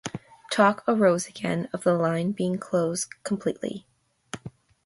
Talk arose again of the line being closed completely.